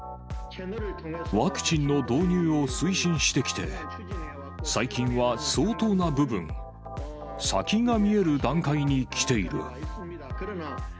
ワクチンの導入を推進してきて、最近は相当な部分、先が見える段階にきている。